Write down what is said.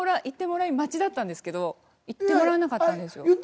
言ってもらい待ちだったんですけど言ってもらえなかったんですよ。